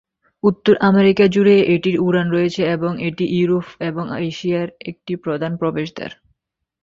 উত্তর আমেরিকা জুড়ে এটির উড়ান রয়েছে এবং এটি ইউরোপ এবং এশিয়ার একটি প্রধান প্রবেশদ্বার।